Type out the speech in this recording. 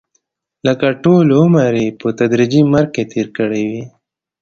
لکه ټول عمر یې په تدریجي مرګ کې تېر کړی وي.